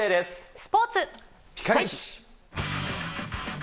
スポーツ。